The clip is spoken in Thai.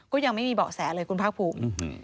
ก็ยังไม่มีเบาะแสเลยคุณภาคภูมิ